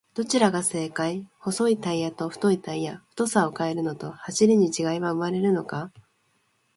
どちらが正解!?細いタイヤと太いタイヤ、太さを変えると走りに違いは生まれるのか？